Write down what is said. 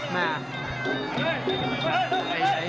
เนี่ย